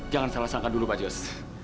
jangan salah sangka dulu pak jos